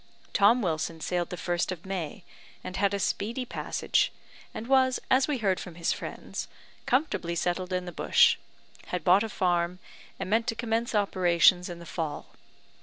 Tom Wilson sailed the 1st of May, and had a speedy passage, and was, as we heard from his friends, comfortably settled in the bush, had bought a farm, and meant to commence operations in the fall.